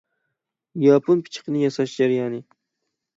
ياپون پىچىقىنى ياساش جەريانى.